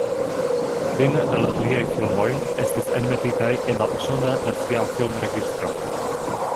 Kvin el liaj filmoj estis enmetitaj en la Usona Nacia Film-Registro.